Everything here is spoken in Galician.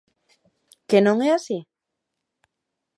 ¿Que non é así?